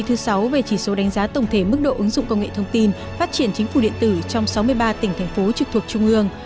tỉnh lào cai đứng ở vị trí thứ sáu về chỉ số đánh giá tổng thể mức độ ứng dụng công nghệ thông tin phát triển chính phủ điện tử trong sáu mươi ba tỉnh thành phố trực thuộc trung ương